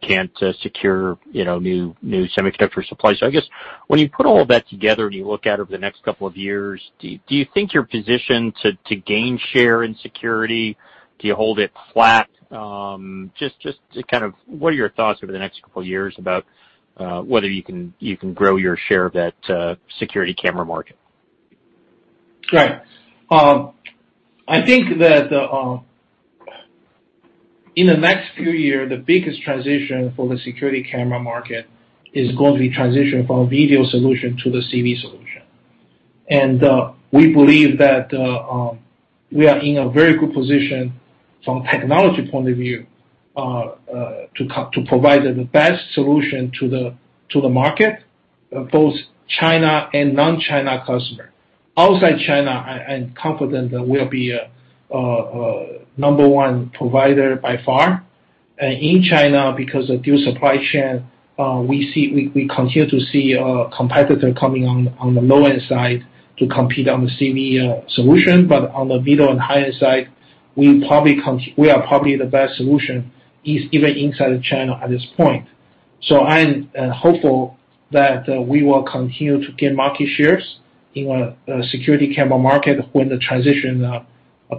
can't secure new semiconductor supply. So I guess when you put all of that together and you look at it over the next couple of years, do you think your position to gain share in security, do you hold it flat? Just kind of what are your thoughts over the next couple of years about whether you can grow your share of that security camera market? Right. I think that in the next few years, the biggest transition for the security camera market is going to be transition from video solution to the CV solution, and we believe that we are in a very good position from a technology point of view to provide the best solution to the market, both China and non-China customers. Outside China, I'm confident that we'll be a number one provider by far, and in China, because of our supply chain, we continue to see a competitor coming on the low-end side to compete on the CV solution, but on the middle and high-end side, we are probably the best solution even inside of China at this point, so I'm hopeful that we will continue to gain market shares in the security camera market when the transition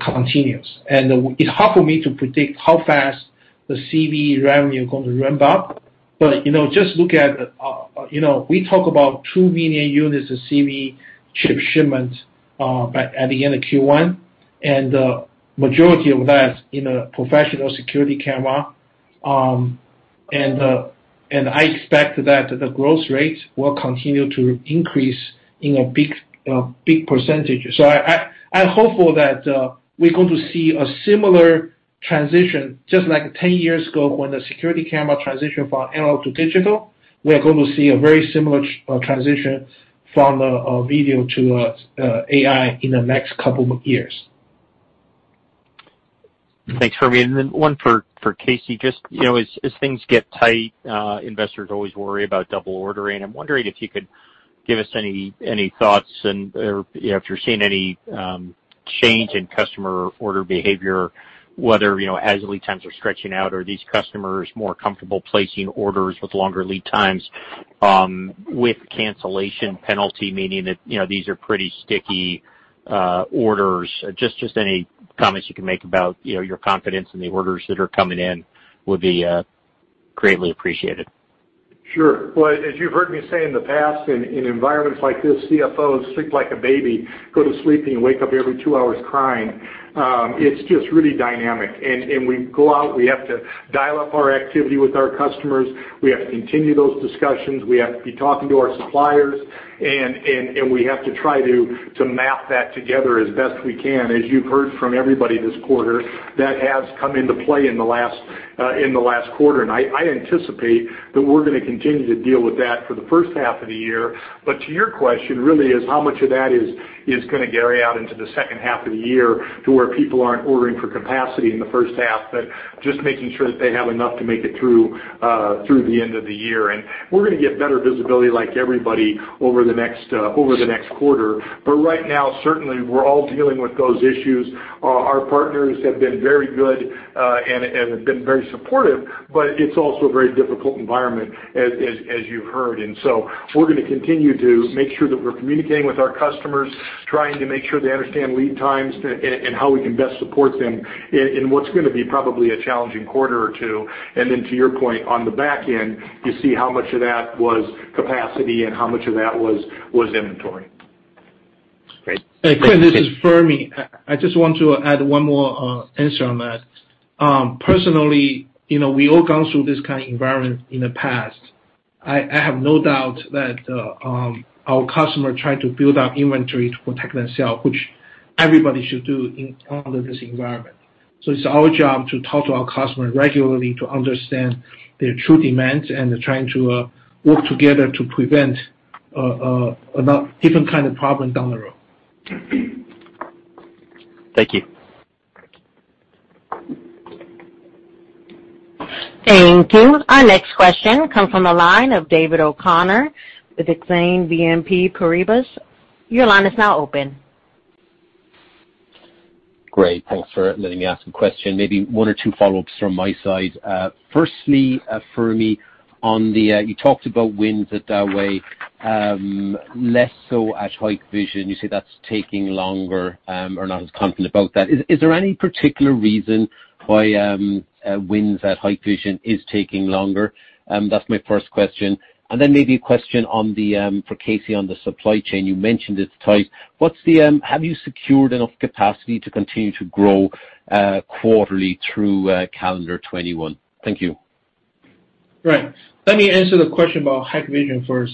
continues. And it's hard for me to predict how fast the CV revenue is going to ramp up. But just look at, we talk about two million units of CV chip shipment at the end of Q1, and the majority of that in a professional security camera. And I expect that the growth rate will continue to increase in a big percentage. So I'm hopeful that we're going to see a similar transition just like 10 years ago when the security camera transitioned from analog to digital. We are going to see a very similar transition from video to AI in the next couple of years. Thanks, Fermi. And then one for Casey. Just as things get tight, investors always worry about double ordering. I'm wondering if you could give us any thoughts and if you're seeing any change in customer order behavior, whether as lead times are stretching out or these customers are more comfortable placing orders with longer lead times with cancellation penalty, meaning that these are pretty sticky orders. Just any comments you can make about your confidence in the orders that are coming in would be greatly appreciated. Sure. Well, as you've heard me say in the past, in environments like this, CFOs sleep like a baby, go to sleep, and you wake up every two hours crying. It's just really dynamic. And we go out, we have to dial up our activity with our customers. We have to continue those discussions. We have to be talking to our suppliers. And we have to try to map that together as best we can. As you've heard from everybody this quarter, that has come into play in the last quarter. And I anticipate that we're going to continue to deal with that for the first half of the year. But to your question, really, is how much of that is going to carry out into the second half of the year to where people aren't ordering for capacity in the first half, but just making sure that they have enough to make it through the end of the year. And we're going to get better visibility like everybody over the next quarter. But right now, certainly, we're all dealing with those issues. Our partners have been very good and have been very supportive, but it's also a very difficult environment, as you've heard. And so we're going to continue to make sure that we're communicating with our customers, trying to make sure they understand lead times and how we can best support them in what's going to be probably a challenging quarter or two. To your point, on the back end, you see how much of that was capacity and how much of that was inventory. Great. Hey, Quinn, this is Fermi. I just want to add one more answer on that. Personally, we've all gone through this kind of environment in the past. I have no doubt that our customers try to build up inventory to protect themselves, which everybody should do under this environment. So it's our job to talk to our customers regularly to understand their true demands and trying to work together to prevent a different kind of problem down the road. Thank you. Thank you. Our next question comes from the line of David O'Connor with Exane BNP Paribas. Your line is now open. Great. Thanks for letting me ask a question. Maybe one or two follow-ups from my side. Firstly, Fermi, on the you talked about wins at Dahua, less so at Hikvision. You say that's taking longer or not as confident about that. Is there any particular reason why wins at Hikvision is taking longer? That's my first question. And then maybe a question for Casey on the supply chain. You mentioned it's tight. Have you secured enough capacity to continue to grow quarterly through calendar 2021? Thank you. Right. Let me answer the question about Hikvision first.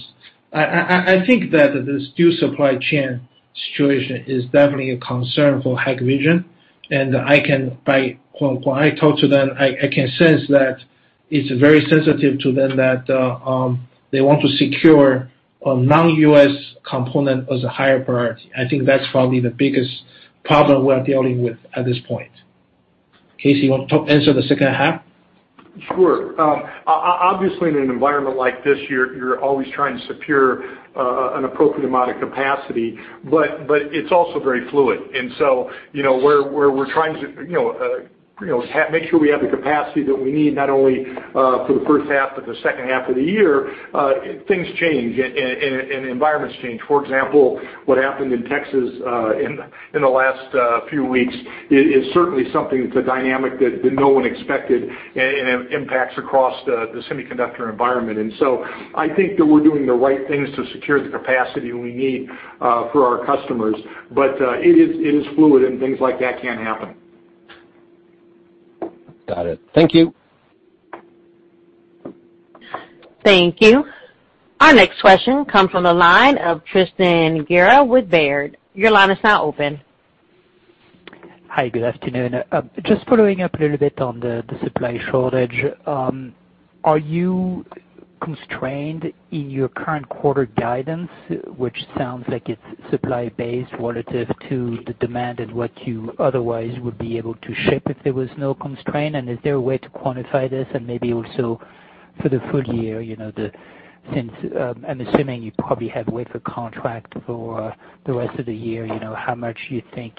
I think that the U.S. supply chain situation is definitely a concern for Hikvision, and when I talk to them, I can sense that it's very sensitive to them that they want to secure a non-US component as a higher priority. I think that's probably the biggest problem we are dealing with at this point. Casey, you want to answer the second half? Sure. Obviously, in an environment like this, you're always trying to secure an appropriate amount of capacity. But it's also very fluid, and so where we're trying to make sure we have the capacity that we need not only for the first half, but the second half of the year, things change and environments change. For example, what happened in Texas in the last few weeks is certainly something that's a dynamic that no one expected and impacts across the semiconductor environment. And so I think that we're doing the right things to secure the capacity we need for our customers, but it is fluid and things like that can happen. Got it. Thank you. Thank you. Our next question comes from the line of Tristan Gerra with Baird. Your line is now open. Hi, good afternoon. Just following up a little bit on the supply shortage. Are you constrained in your current quarter guidance, which sounds like it's supply-based relative to the demand and what you otherwise would be able to ship if there was no constraint? And is there a way to quantify this and maybe also for the full year? Since I'm assuming you probably have wafer contract for the rest of the year, how much you think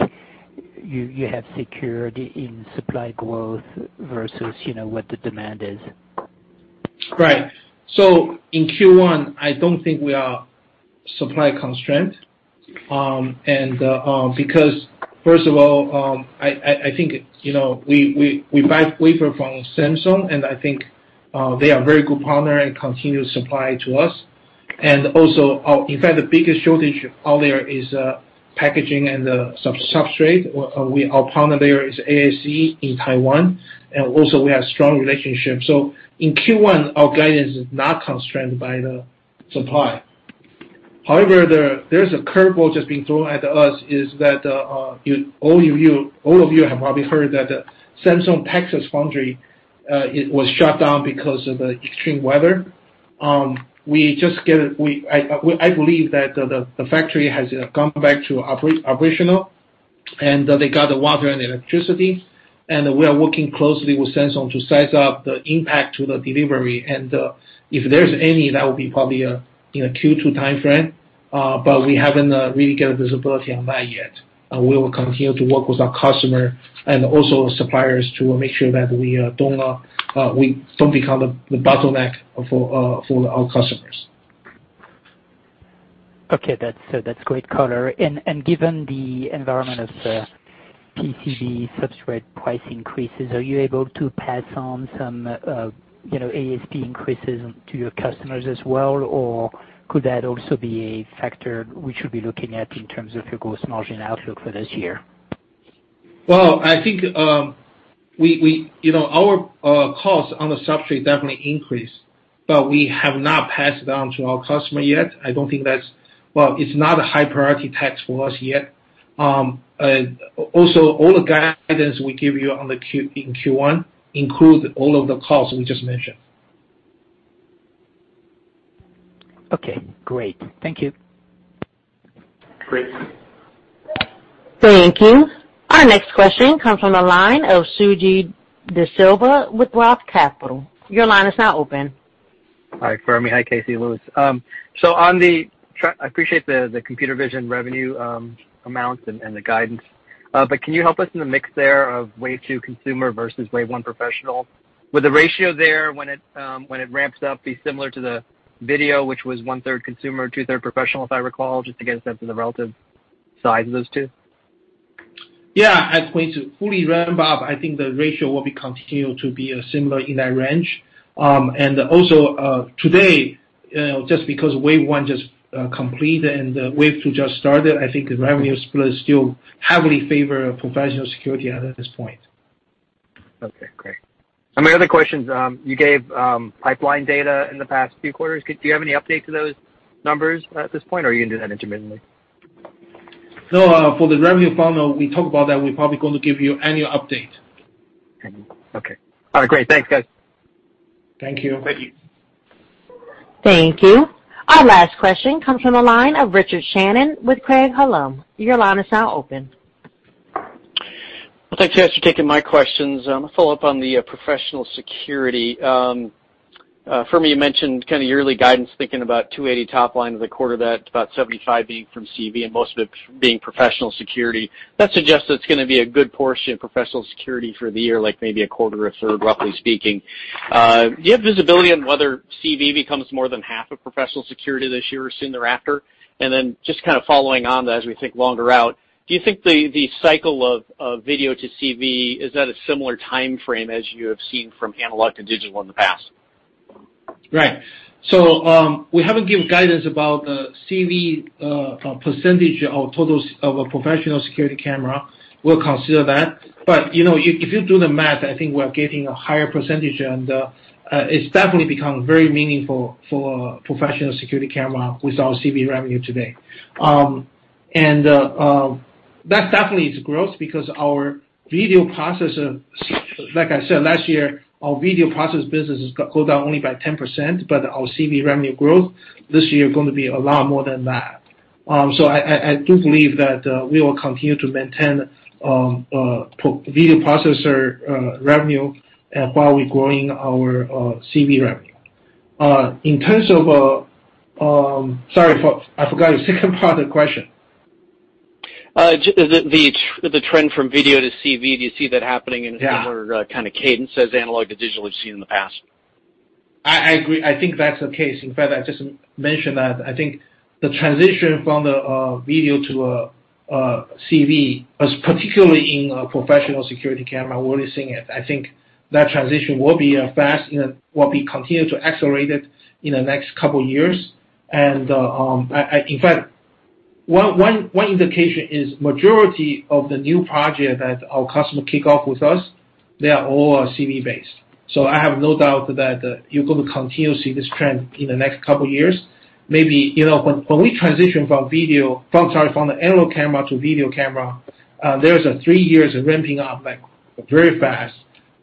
you have secured in supply growth versus what the demand is? Right. So in Q1, I don't think we are supply constrained. And because, first of all, I think we buy wafer from Samsung, and I think they are a very good partner and continue supply to us. And also, in fact, the biggest shortage out there is packaging and the substrate. Our partner there is ASE in Taiwan. And also, we have strong relationships. So in Q1, our guidance is not constrained by the supply. However, there's a curveball just being thrown at us is that all of you have probably heard that the Samsung Texas foundry was shut down because of the extreme weather. We just get it. I believe that the factory has gone back to operational, and they got the water and electricity. And we are working closely with Samsung to size up the impact to the delivery. If there's any, that will be probably in a Q2 timeframe. We haven't really got a visibility on that yet. We will continue to work with our customers and also suppliers to make sure that we don't become the bottleneck for our customers. Okay. So that's great color. And given the environment of PCB substrate price increases, are you able to pass on some ASP increases to your customers as well, or could that also be a factor we should be looking at in terms of your gross margin outlook for this year? I think our costs on the substrate definitely increased, but we have not passed it on to our customer yet. I don't think that's it; it's not a high-priority task for us yet. Also, all the guidance we give you in Q1 includes all of the costs we just mentioned. Okay. Great. Thank you. Great. Thank you. Our next question comes from the line of Suji Desilva with Roth Capital. Your line is now open. Hi, Fermi. Hi, Casey Eichler. I appreciate the computer vision revenue amounts and the guidance. But can you help us in the mix there of wave two consumer versus wave one professional? Would the ratio there when it ramps up be similar to the video, which was one-third consumer, two-third professional, if I recall, just to get a sense of the relative size of those two? Yeah. At wave two, fully ramp up, I think the ratio will continue to be similar in that range. And also, today, just because wave one just completed and wave two just started, I think the revenue split is still heavily favorable to professional security at this point. Okay. Great. And my other questions, you gave pipeline data in the past few quarters. Do you have any updates to those numbers at this point, or are you going to do that intermittently? No. For the revenue final, we talk about that. We're probably going to give you annual update. Okay. All right. Great. Thanks, guys. Thank you. Thank you. Thank you. Our last question comes from the line of Richard Shannon with Craig-Hallum. Your line is now open. Thanks, guys, for taking my questions. I'm going to follow up on the professional security. Fermi, you mentioned kind of yearly guidance, thinking about 280 top line of the quarter, that about 75 being from CV and most of it being professional security. That suggests it's going to be a good portion of professional security for the year, like maybe a quarter or a third, roughly speaking. Do you have visibility on whether CV becomes more than half of professional security this year or soon thereafter? And then just kind of following on that as we think longer out, do you think the cycle of video to CV is that a similar timeframe as you have seen from analog to digital in the past? Right. So we haven't given guidance about the CV percentage of professional security camera. We'll consider that. But if you do the math, I think we are getting a higher percentage, and it's definitely become very meaningful for professional security camera with our CV revenue today. And that definitely is growth because our video processor, like I said, last year, our video processor business has gone down only by 10%, but our CV revenue growth this year is going to be a lot more than that. So I do believe that we will continue to maintain video processor revenue while we're growing our CV revenue. In terms of sorry, I forgot your second part of the question. The trend from video to CV, do you see that happening in a similar kind of cadence as analog to digital you've seen in the past? I agree. I think that's the case. In fact, I just mentioned that. I think the transition from the video to CV, particularly in professional security camera, we're seeing it. I think that transition will be fast and will continue to accelerate it in the next couple of years. And in fact, one indication is the majority of the new projects that our customers kick off with us, they are all CV-based. So I have no doubt that you're going to continue to see this trend in the next couple of years. Maybe when we transition from video, sorry, from the analog camera to video camera, there's a three years of ramping up very fast.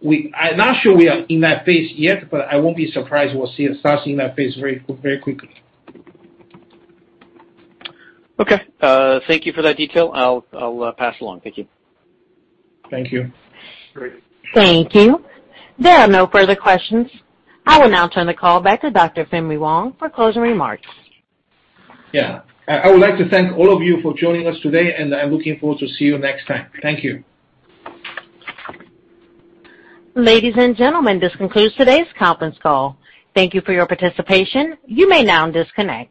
I'm not sure we are in that phase yet, but I won't be surprised we'll start seeing that phase very quickly. Okay. Thank you for that detail. I'll pass along. Thank you. Thank you. Great. Thank you. There are no further questions. I will now turn the call back to Dr. Fermi Wang for closing remarks. Yeah. I would like to thank all of you for joining us today, and I'm looking forward to seeing you next time. Thank you. Ladies and gentlemen, this concludes today's conference call. Thank you for your participation. You may now disconnect.